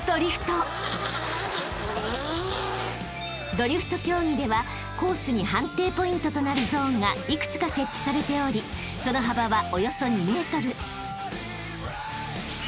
［ドリフト競技ではコースに判定ポイントとなるゾーンが幾つか設置されておりその幅はおよそ２ｍ］